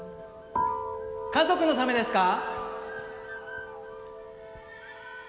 家族のためですか？